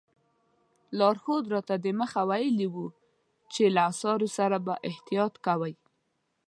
لارښود راته دمخه ویلي وو چې له اثارو سره به احتیاط کوئ.